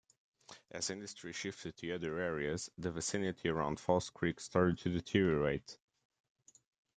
As industry shifted to other areas, the vicinity around False Creek started to deteriorate.